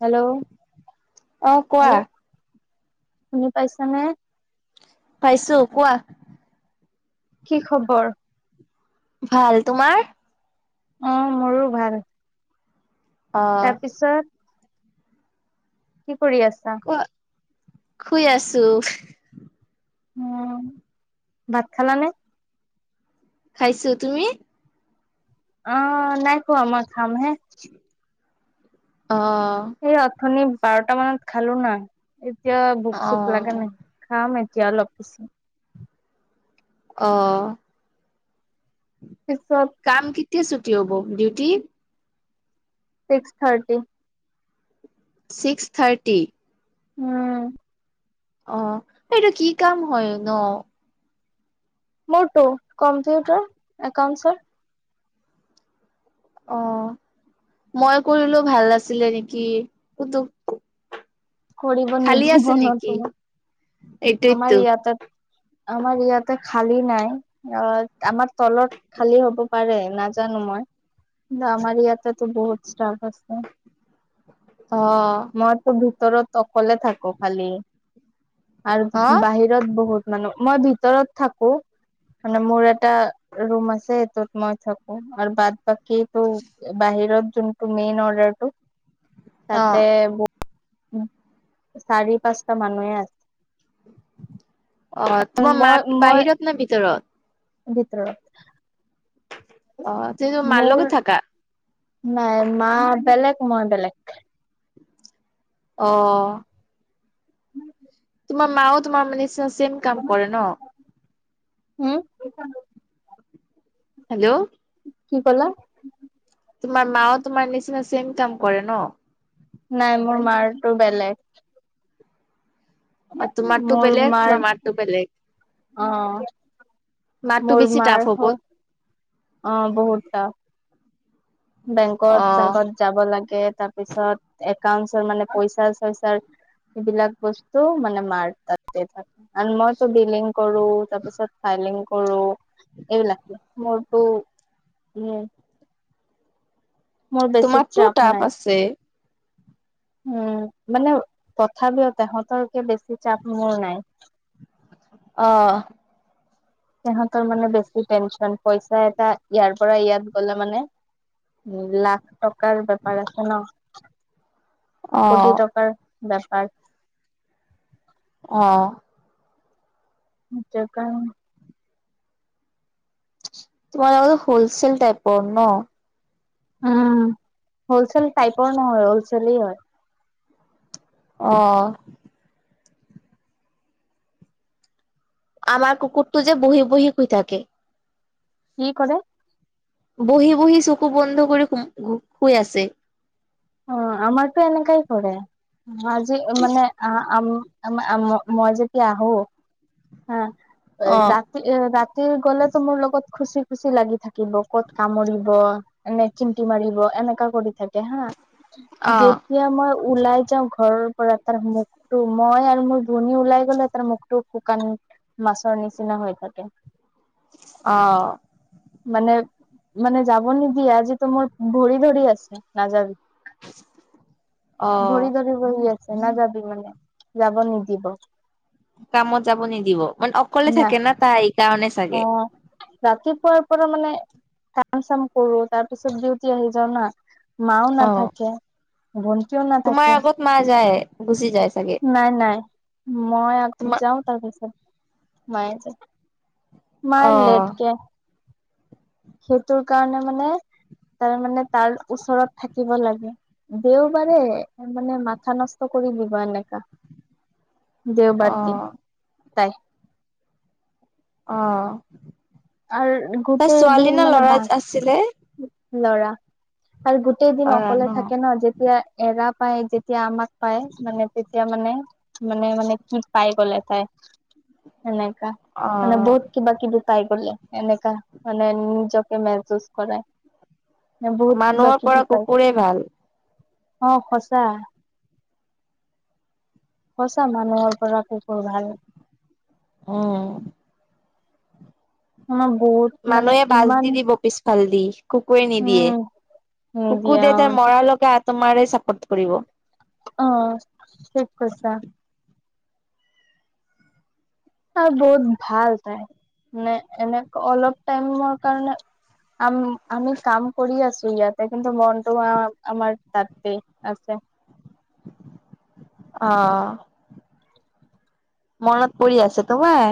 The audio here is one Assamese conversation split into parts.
হেল্ল' অ কোৱা হেল্ল' শুনি পাইছানে? পাইছো, কোৱা। কি খবৰ? ভাল, তোমাৰ? অ', মোৰো ভাল। অ তাৰপিছত? কি কৰি আছা? অ', শুই আছো। অ', ভাত খালানে? খাইছো তুমি? অ', নাই খোৱা মই খামহে। অ'। এইয়া অথনি বাৰটা মানত খালো না এতিয়া ভোক অ চোক লাগা নাই। খাম এতিয়া অলপ পিছত। অ'। পিছত কাম কেতিয়া ছুটি হ'ব duty? Six thirty. Six thirty? উম। অ', এইটো কি কাম হয় ন? মোৰটো কম্পিউটাৰ একাউন্টছৰ। অ', মই কৰিলো ভাল নাছিলে নেকি ক'তো কৰিব আছে নিদিব ন নেকি তোমাক। এইটোৱেতো আমাৰ ইয়াতে আমাৰ ইয়াতে খালী নাই। অ', আমাক তলত খালী হ'ব পাৰে নাজানো মই। না আমাৰ ইয়াতেটো বহুত ষ্টাফ আছে। অ'। মইটো ভিতৰত অকলে থাকো খালি। অ আৰু বাহিৰত বহুত মানু্হ মই ভিতৰত থাকো। মানে মোৰ এটা ৰুম আছে সেইটোত মই থাকো আৰু বাদ বাক কিটো বাহিৰত যোনটো মেইন অৰ্ডাৰটো অ তাতে উম, চাৰি পাঁচটা মানুহে আছে। অ', আছে তোমাৰ মই মাত মই বাহিৰত নে ভিতৰত? ভিতৰত। অ', তুমি মাৰ মোৰ লগত থাকা? নাই মা বেলেগ মই বেলেগ। অ'। তোমাৰ মাও তোমাৰ মানে চেম কাম কৰে ন? হম হেল্ল'? কি ক'লা? তোমাৰ মাও তোমাৰ নিচিনা চেম কাম কৰে ন? নাই মোৰ মাৰটো বেলেগ। অ তোমাৰতো মোৰ বেলেগ তোমাৰ মাৰ মাৰটো বেলেগ। অ মাৰটো মোৰ বেছি টাফ মাৰ হ'ব। হ অ বহুত দাম। অ বেংকত-চেংকত যাব লাগে তাৰ পিছত একাউন্টচৰ মানে পইচা-চইছাৰ এইবিলাক বস্তু মানে মাৰ তাতে থাক কাৰণ মইটো বিলিং কৰো তাৰপিছত ফাইলিং কৰো। এই বিলাক মোৰটো উ মোৰ বেছি তোমাৰটোও চাপ টাফ নাই আছে। উম, মানে তথাপিওঁ তেহঁতৰকে বেছি টাফ মোৰ নাই। অ। তেহঁতৰ মানে বেছি টেনচন পইচা এটা ইয়াৰ পৰা ইয়াত গ'লে মানে উম লাখ টকাৰ বেপাৰ আছে ন। অ কোটি টকাৰ বেপাৰ। অ। নিজৰ কাৰণে তোমালোকৰটো হোলচেল টাইপৰ ন? অ হোলচেল টাইপৰ নহয় হোলচেলেই হয়। অ। আমাৰ কুকুৰটো যে বঢ়ি বঢ়ি শুই থাকে। কি ক'লে? বঢ়ি বঢ়ি চকু বন্ধ কৰি ঘোম শুই আছে। অ আমাৰটো এনেকাই কৰে আজি মানে আ আম আমা মই মই যেতিয়া আহো হা অ ৰা এ ৰাতি গ'লেটো মোৰ লগত খুচি খুচি লাগি থাকিব ক'ত কামুৰিব মানে চিমটি মাৰিব এনেকা কৰি থাকে হা। অ যে তিয়া মই ওলাই যাওঁ ঘৰৰ পৰা তাৰ মুখ টো মই আৰু মোৰ ভনী ওলাই গ'লে তাৰ মুখটো শুকান মাছৰ নিচিনা হৈ থাকে। অ। মানে মানে যাব নিদিয়ে আজিটো মোৰ ভৰি ধৰি আছে নাযাবি। অ ভৰি ধৰি বঢ়ি আছে। ছে নাযাবি মানে যাব নিদিব। কামত যাব নিদিব মানে অকলে থাকে না তাই এই কাৰণে অ। ৰাতিপুৱাৰ পৰা মানে কাম-চাম কৰো তাৰপিছত ডিউটি আহি যাও না। মাও অ নাথাকে, ভণ্টিও তোমাৰ নাথাকে আগত মা যায় গুচি যায় চাগে? নাই নাই মই আগত তোমাৰ যাওঁ তাৰপিছত মায়ে যায়। মা অ লেটকে আহে। সেইটোৰ কাৰণে মানে তাৰমানে তাৰ ওচৰত থাকিব লাগে। দেওবাৰে মানে মাথা নষ্ট কৰি দিব এনেকা। অ দেওবাৰ দি তাই। অ। আৰু তাই গোটেই ছোৱালী দিন নে মানে ল'ৰা আছিলে বাক ল'ৰা আৰু গোটেই দিন অকলে থাকে ন যেতিয়া এৰা পায় যেতিয়া আমাক পায় মানে তেতিয়া মানে মানে মানে কি পাই গ'লে এ তাই সেনেকা। অ মানে বহুত কিবা কিবি পাই গ'লে এনেকা মানে নিজকে মেজুজ কৰে। মানে বহুত কিবা মানুহৰ পৰা কিবি পাই কুকুৰে ভাল অ সঁচা। সঁচা মানুহৰ পৰা কুকুৰ ভাল। অ। আমাক বহুত মানে মানুহে বাজ ইমান দি দিব পিছ ফালদি কুকুৰে নিদিয়ে উম নিদিয়া কুকুৰ অ দেটা মৰা লৈকে আত তোমাৰে চাপৰ্ট কৰিব। অ ঠিক কৈছা। তাই বহুত ভাল তাই, মানে এনে অলপ টাইমৰ কাৰণে আম আমি কাম কৰি আছো ইয়াতে কিন্তু মনটো আ আমাৰ তাতে আছে। অ। মনত পৰি আছে তোমাৰ?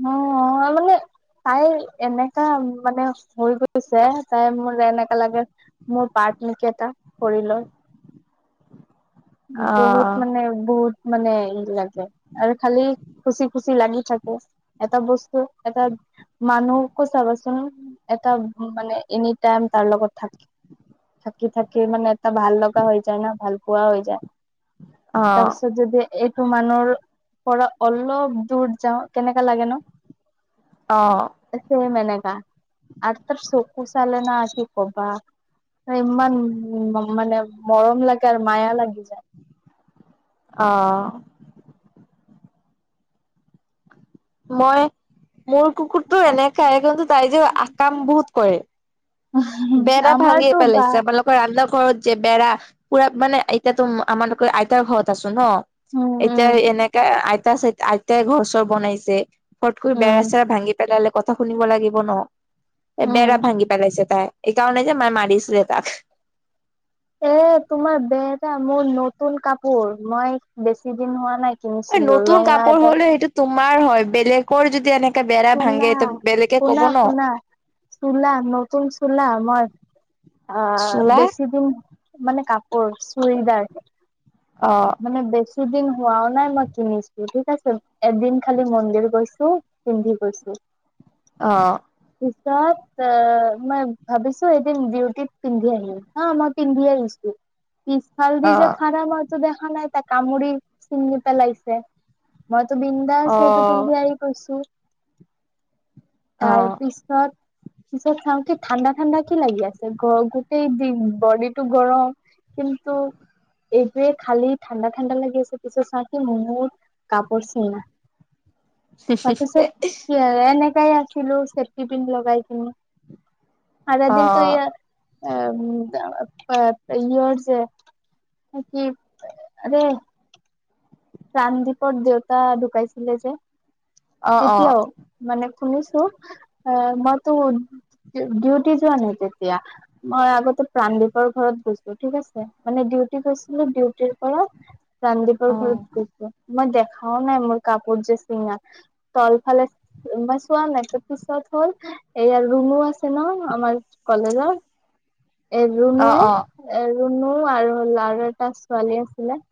ন, মানে তাইৰ এনেকা মানে হৈ গৈছে, তাই মোৰ এনেকা লাগে মোৰ পাৰ্ট নেকি এটা শৰীলৰ। অ বহুত মানে বহুত মানে ই লাগে আৰু খালি খুচি খুচি লাগি থাকো। এটা বস্তু এটা মানুহকো চাবাচোন এটা মানে এনি টাইম তাৰ লগত থাক থাকি থাকে মানে এটা ভাল লগা হৈ যায় ন ভাল পোৱা হৈ যায়। অ তাৰপিছত যদি এইটো মানুহৰ পৰা অলপ দূৰ যাওঁ কেনেকা লাগে ন। অ। ছেম এনেকা আৰু তাৰ চকু চালানা কি ক'বা। ইমান উ মানে মৰম লাগে আৰু মায়া লাগি যায়। অ। মই মোৰ কুকুৰতো এনেকাই কিন্তু তাই যে আ কাম বহুত কৰে। বেৰা ভাঙি আমাৰতো বা পেলাইছে [unintelligible] বাৰান্দা ঘৰত যে বেৰা পুৰা মানে এতিয়াটো আমালোকৰ আইতাৰ ঘৰত আছো ন। উম এতিয়া উম এনেকা আইতা চা আইতাই ঘৰ চৰ বনাইছে। ফটকৈ উম বেৰা চেৰা ভাঙি পেলালে কথা শুনিব লাগিব ন, উম বেৰা ভাঙি পেলাইছে তাই। এই কাৰণে যে মাই মাৰিছে তাক। এ তোমাৰ বেয়া এটা মোৰ নতুন কাপোৰ মই বেছি দিন হোৱা নাই এ কিনিছিলো নতুন ৰঙা কাপোৰ এটা হ'লে সেইটো তোমাৰ হয় বেলেগৰ যদি এনে চুলা শুনা শুনা চুলা নতুন চুলা মই আ চোলা বেছি দিন মানে কাপোৰ চুৰিদাৰ অ। মানে বেছি দিন হোৱাও নাই মই কিনিছো ঠিক আছে, এদিন খালি মন্দিৰ গৈছো পিন্ধি গৈছো। অ। পিছত মই ভাবিছো এদিন ডিউটিত পিন্ধি আহিম। অ মই পিন্ধিয়ে আহিছো। পিছ ফালদি অ যে ফাৰা মইটো দেখা নাই তাক কামুৰি চিঙি পেলাইছে মইটো বিন জাষ্ট অ সেইটো পিন্ধি আহি গৈছো অ অ তাৰপিছত পিছত চাও কি ঠাণ্ডা ঠাণ্ডা কি লাগি আছে গ গোটেই বি বডিটো গৰম কিন্তু যে খালি ঠাণ্ডা ঠাণ্ডা লাগি আছে পিছে চাও কি মোৰ কাপোৰ চিঙ তাৰপিছত কি আৰু এনেকাই আছিলো চেফটি পিন লগাই কিনে। আধা অ অ দিনটো ইয়াত এ এ এ পেহীয়ৰ যে কি মানে প্ৰাণদীপৰ দেউতা ঢুকাইছিলে যে অ তেতিয়াও। মানে শুনিছো এ মইতো ডিউটি যোৱা নাই তেতিয়া। মই আগতে প্ৰাণদীপৰ ঘৰত গৈছো ঠিক আছে মানে ডিউটি গৈছিলো ডিউটিৰ পৰা প্ৰাণদীপৰ ঘৰত অ গৈছো মই দেখাও নাই মোৰ কাপোৰ যে চিঙা। তলফালে মই চোৱা নাই তাৰপিছত হ'ল এইয়া ৰুণু আছে ন আমাৰ কলেজৰ। এ ৰুনুৱে অ এ ৰুনু আৰু লাৰু এটা ছোৱালী আছিলে।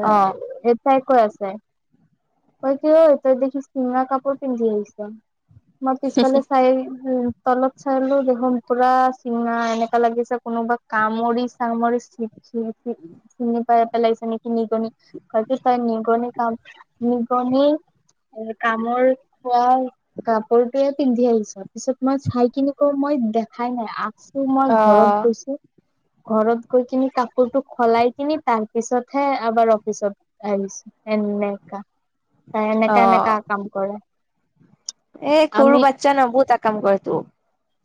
অ এ তাই কৈ আছে। ঐ কি ঐ তই দেখোন চিঙা কাপোৰ পিন্ধি আহিছ মই পিছফালে চাই উ তলত চালো দেখোন পুৰা চিঙা এনেকা লাগিছে কোনোবা কামুৰি চামুৰি সিহঁতি চনি পাই পেলাই চিনি নিগনি হয়তো তাই নিগনি কাম নিগনি এ কামোৰ খোৱা কাপোৰটয়ে পিন্ধি আহিছে পিছত মই চাই কিনি কো মই দেখাই নাই আ আকৌ মই অ ঘৰত অ গৈছো ঘৰত গৈ কিনি কাপোৰতো সলাই কিনি তাৰ পিছতহে আবাৰ অফিচত। ছ এনেকা ত অ এনেকা এনেকা কাম কৰে। এ সৰু আমি বাচ্ছা নবু তাক কাম কৰেতো।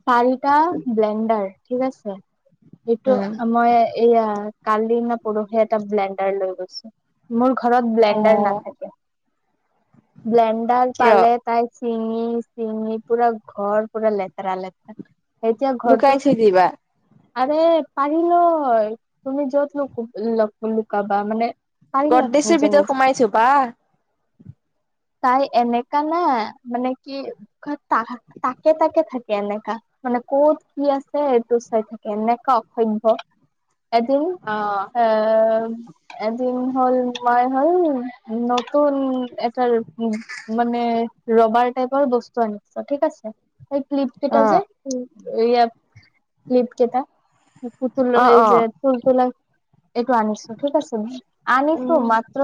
চাৰিটা ব্লেণ্ডাৰ ঠিক আছে সেইটো উম আ মই এয়া কালি নে পৰহি এটা ব্লেণ্ডাৰ লৈ গৈছো। মোৰ ঘৰত ব্লেণ্ডাৰ নাথাকে। ব্লেণ্ডাৰ কিয় পালে তাই চিঙি চিঙি পুৰা ঘৰ পুৰা লেতেৰা লেতেৰা এতিয়া লুকাই ঘৰটো থৈ দিবা আৰে পাৰিলো হয়, তুমি য'ত লু লুকাবা মানে পাৰিল হয় গৰ্দেশৰ নিজে ভিতৰত নিজে সোমাইছো বা তাই এনেকা না মানে কি কয় তা তাকে তাকে থাকে এনে। আ মানে ক'ত কি আছে এইটো চাই থাকে এনেকা অসভ্য এদিন অ এ এদিন হ'ল তোমাৰ হ'ল নতুন এটাৰ উ মানে ৰবাৰ টাইপৰ বস্তু আনিছো ঠিক আছে, এই ক্লিপ অ কেইটা যে এইয়া ক্লিপকেইটা পুতুল এই অ যে তুলতুলে এইটো আনিছো ঠিক আছে, আনিছো উম মাত্ৰ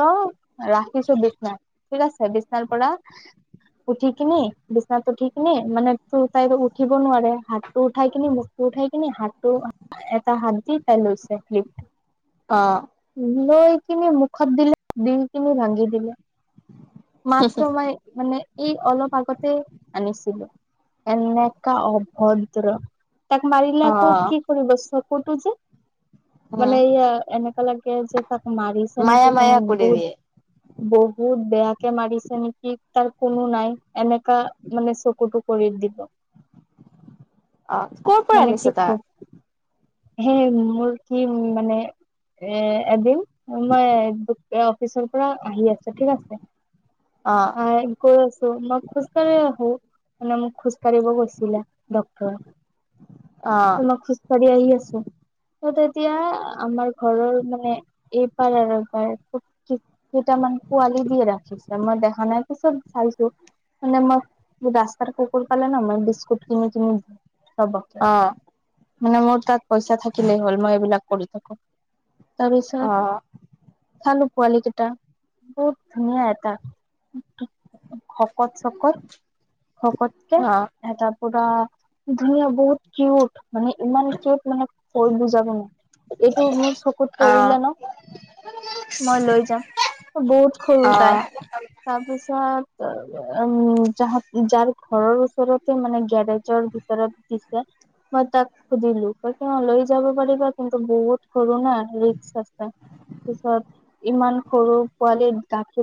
ৰাখিছো বিছনা ঠিক আছে বিছনাৰ পৰা উঠি কিনি বিচনাত উঠি কিনি মানে তোৰ তাই উ উঠিব নোৱাৰে হাতটো উঠাই কিনি মুখটো উঠাই কিনি হাতটো এটা হাত দি তাই লৈছে ক্লিপ অ লৈ কিনি মুখত দিলে দি কিনি ভাঙি দিলে মাত্ৰমই মানে। এই অলপ আগতে আনিছিলোএনেকা অভদ্ৰ তাক মাৰি লে অ আকৌ কি কৰিব চকুতো যে মানে উম এয়া এনেকুৱা লাগে যে তাক মাৰিছে মায়া নেকি কোনো মায়া কৰি বহুত দিয়ে বহুত বেয়াকে মাৰিছে নেকি তাৰ কোনো নাই এনেকা মানে চকুটো কৰি দিব অ কৰ পৰা মানে আনিছ কি তাক কম হে মোৰ কি মানে এদিন মই অফিচৰ আহি আছো ঠিক আছে অ আহ গৈ আছো মই খোজ কঢ়ি আহো মানে মোক খোজ কঢ়িব কৈছে দিলে ডাক্তৰে অ মই খোজকাঢ়িয় আহি আছো ত তেতিয়া আমাৰ ঘৰৰ মানে এই পাৰ আৰু এপাৰ খুব কেইটামান পোৱালি দি ৰাখিছে মই দেখা নাই তাৰ পিছত চব চাইছো মানে, মই ৰাস্তাৰ কুকুৰ পালে ন মই মাত দিছো খুব কিমি কিমি সব অ মানে মোৰ তাত পইচা থাকিলেই হ'ল, মই এইবিলাক কৰি থাকো তাৰপিছত অ চালো পোৱালি কেইটা বহুত ধুনীয়া এটা শকত চকত শকতকে অ এটা পোৰা ধুনীয়া বহুত কিউত মানে ইমান কে মানে কৈ বুজাব নাই এইটো মোৰ চকুত পৰিল ন মই লৈ যাম বহুত সৰু অ তাই অ তাৰপিছত উম যাহা যাৰ ঘৰৰ ওচৰতে মানে গেৰেজ জৰ ভিতৰত দিছে মই তাক খুজিলো ক কি লৈ যাব পাৰিবা কিন্তু সৰু না ৰিক্স আছে পিছত ইমান সৰু পোৱালি গাখীৰ